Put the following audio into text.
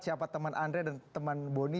siapa teman andra dan teman boni